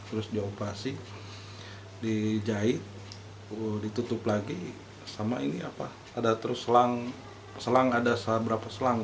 terus dioperasi dijahit terus ditutup lagi sama ini apa ada terus selang selang ada berapa selang